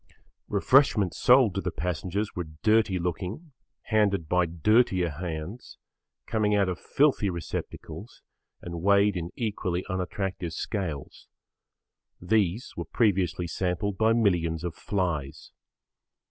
Refreshments sold to the passengers were dirty looking, handed by dirtier hands, coming out of filthy receptacles and weighed in equally unattractive scales. These were previously sampled by millions of flies.